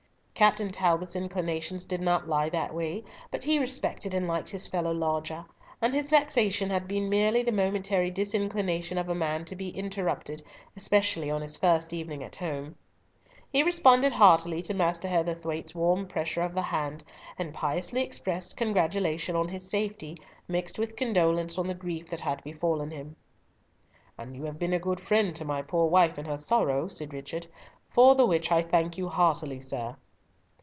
Captain Talbot's inclinations did not lie that way, but he respected and liked his fellow lodger, and his vexation had been merely the momentary disinclination of a man to be interrupted, especially on his first evening at home. He responded heartily to Master Heatherthwayte's warm pressure of the hand and piously expressed congratulation on his safety, mixed with condolence on the grief that had befallen him. "And you have been a good friend to my poor wife in her sorrow," said Richard, "for the which I thank you heartily, sir."